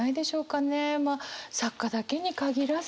まあ作家だけに限らずね